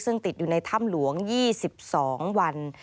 ซึ่งติดอยู่ในถ้ำหลวง๒๒วัน